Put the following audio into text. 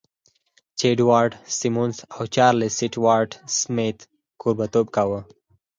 جې اډوارډ سيمونز او چارليس سټيوارټ سميت کوربهتوب کاوه.